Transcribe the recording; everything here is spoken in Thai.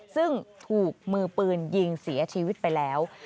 ซึ่งถูกมือปืนยิงเสียชีวิตไปแล้ว